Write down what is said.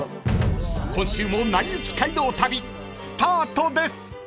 ［今週も『なりゆき街道旅』スタートです］